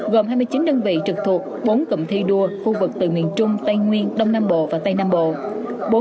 gồm hai mươi chín đơn vị trực thuộc bốn cụm thi đua khu vực từ miền trung tây nguyên đông nam bộ và tây nam bộ